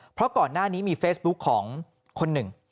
เพราะก่อนหน้านี้มีเฟซบุ๊คของคนหนึ่ง